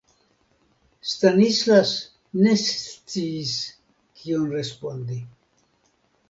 Stanislas ne sciis, kion respondi.